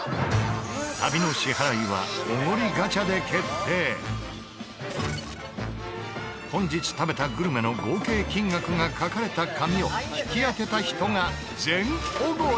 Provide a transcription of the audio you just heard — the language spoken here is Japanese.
旅の本日食べたグルメの合計金額が書かれた紙を引き当てた人が全オゴリ！